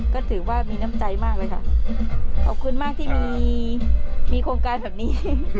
ก็ถือว่ามีน้ำใจมากเลยค่ะขอบคุณมากที่มีโครงการแบบนี้